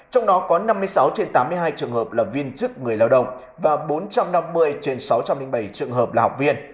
trong đó có năm mươi sáu trên tám mươi hai trường hợp là viên chức người lao động và bốn trăm năm mươi trên sáu trăm linh bảy trường hợp là học viên